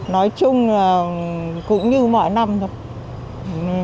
nói chung là cũng như mọi năm thôi